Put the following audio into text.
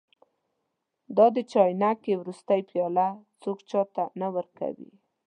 دا د چاینکې وروستۍ پیاله څوک چا ته نه ورکوي.